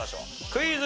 クイズ。